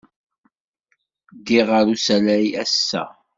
Ddiɣ ɣer usalay ass-a.